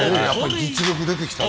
実力出てきたね。